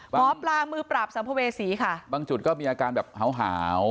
หมอปลามือปราบสัมภเวษีค่ะบางจุดก็มีอาการแบบหาวหาว